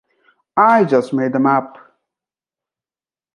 I just made them up.